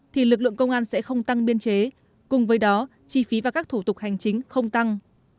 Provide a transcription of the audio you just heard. thì lực lượng công an sẽ không tăng biên chế cùng với đó chi phí và các thủ tục hành chính không tăng